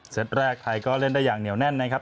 แรกไทยก็เล่นได้อย่างเหนียวแน่นนะครับ